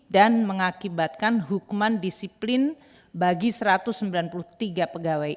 dan mengakibatkan hukuman disiplin bagi satu ratus sembilan puluh tiga pegawai